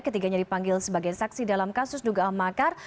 ketiganya dipanggil sebagai saksi dalam kasus dugaan makar